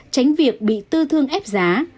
tránh việc bị tư thương ép giá